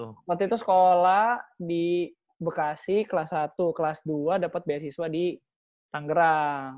waktu itu sekolah di bekasi kelas satu kelas dua dapat beasiswa di tanggerang